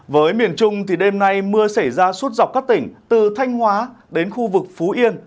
với miền trung đêm nay mưa xảy ra suốt dọc các tỉnh từ thanh hóa đến khu vực phú yên